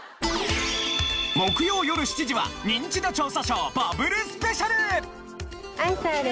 木曜よる７時は『ニンチド調査ショー』バブルスペシャル。